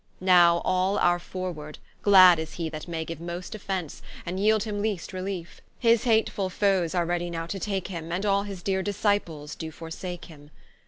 Now all are forward, glad is he that may Give most offence, and yeeld him least reliefe: His hatefull foes are ready now to take him, And all his deere Disciples do forsake him.